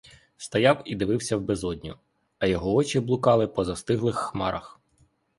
Стояв і дивився в безодню, а його очі блукали по застиглих хмарах.